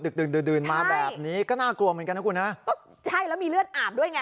ดึกดื่นดื่นมาแบบนี้ก็น่ากลัวเหมือนกันนะคุณฮะก็ใช่แล้วมีเลือดอาบด้วยไง